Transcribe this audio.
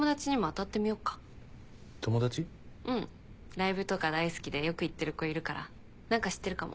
ライブとか大好きでよく行ってる子いるから何か知ってるかも。